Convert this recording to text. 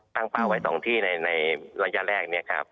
ตั้งปลาไว้๒ที่ในระยะแรก